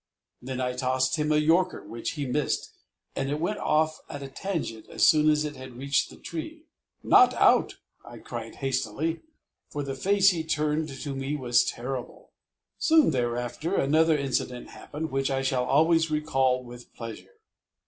Then I tossed him a Yorker which he missed and it went off at a tangent as soon as it had reached the tree. "Not out," I cried hastily, for the face he turned to me was terrible. Soon thereafter another incident happened, which I shall always recall with pleasure.